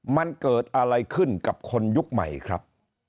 มันเกิดอะไรขึ้นกับคนยุคใหม่ครับ